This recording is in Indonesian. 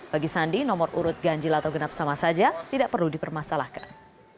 bagi sandi nomor urut ganjil atau genap sama saja tidak perlu dipermasalahkan